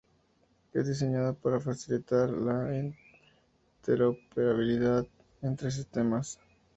Es diseñado para facilitar la interoperabilidad entre sistemas.